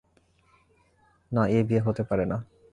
না এই বিয়ে হতে পারে না।